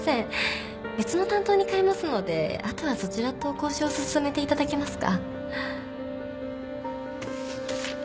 別の担当に代えますのであとはそちらと交渉を進めていただけますか？